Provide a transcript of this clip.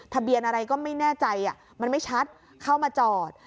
ทะเบียนอะไรก็ไม่แน่ใจมันไม่ชัดเข้ามาจอด